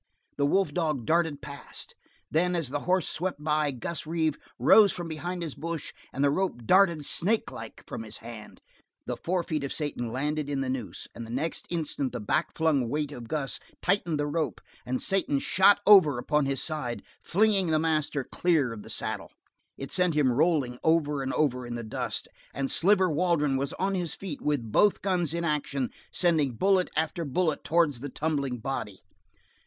The wolf dog darted past. Then as the horse swept by, Gus Reeve rose from behind his bush and the rope darted snakelike from his hand. The forefeet of Satan landed in the noose, and the next instant the back flung weight of Gus tightened the rope, and Satan shot over upon his side, flinging the master clear of the saddle. It sent him rolling over and over in the dust, and Sliver Waldron was on his feet with both guns in action, sending bullet after bullet towards the tumbling body.